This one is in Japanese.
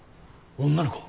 女の子？